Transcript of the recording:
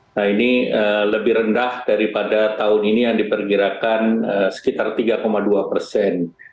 nah ini lebih rendah daripada tahun ini yang diperkirakan sekitar tiga dua persen